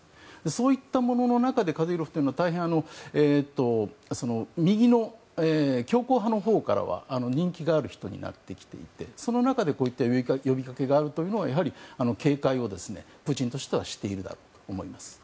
そういったものの中でカディロフというのは大変、右の強硬派のほうからは人気がある人になってきていてその中でこういった呼びかけがあるというのはやはり警戒をプーチンとしてはしているだろうと思います。